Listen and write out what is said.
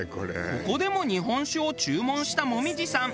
ここでも日本酒を注文した紅葉さん。